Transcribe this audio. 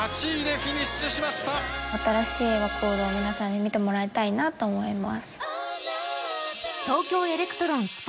新しいワコールを皆さんに見てもらいたいと思います。